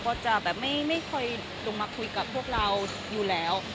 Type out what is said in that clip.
ก็จะแบบไม่เคยลงมาคุยกับพวกเราอยู่แล้ว